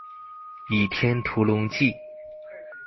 倚天屠龍記